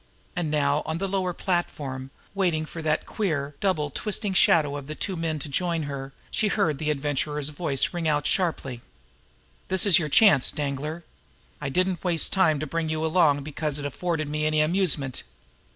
And now, on the lower platform, waiting for that queer, double, twisting shadow of the two men to join her, she heard the Adventurers s voice ring out sharply: "This is your chance, Danglar! I didn't waste the time to bring you along because it afforded me any amusement.